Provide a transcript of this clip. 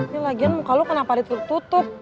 ya lagian muka lu kenapa ditutup tutup